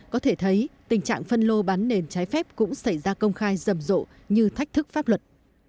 có thể thấy tình trạng phân lô bán nền trái phép cũng xảy ra công khai rầm rộ như thách thức pháp luật